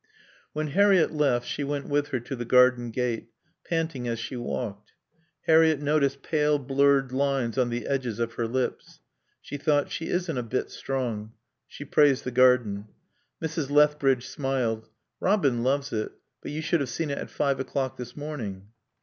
When Harriett left she went with her to the garden gate, panting as she walked. Harriett noticed pale, blurred lines on the edges of her lips. She thought: She isn't a bit strong. She praised the garden. Mrs. Lethbridge smiled. "Robin loves it.... But you should have seen it at five o'clock this morning."